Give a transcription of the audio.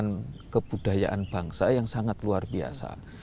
ini merupakan peninggalan kebudayaan bangsa yang sangat luar biasa